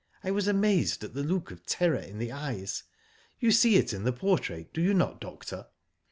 I was amazed at the look of terror in the eyes. You see it in the portrait, do you not, doctor?"